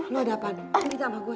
lo ada apaan cinta sama gue